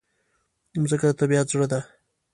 مځکه د طبیعت زړه ده.